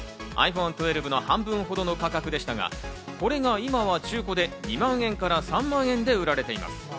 ｉＰｈｏｎｅ１２の半分ほどの価格でしたが、これが今は中古で２万円から３万円で売られています。